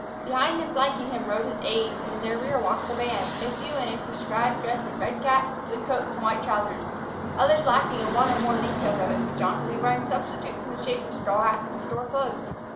Behind and flanking him rode his aides, and in their rear walked the band, a few in a prescribed dress of red caps, blue coats, and white trousers, others lacking in one or more details of it, but jauntily wearing substitutes in the shape of straw hats and store clothes.